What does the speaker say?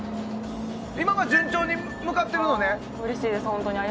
今、順調に向かってるのね。